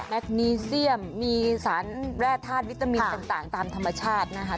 คนีเซียมมีสารแร่ธาตุวิตามินต่างตามธรรมชาตินะคะ